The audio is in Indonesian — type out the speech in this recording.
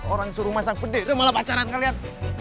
orang suruh masang bendera malah pacaran kalian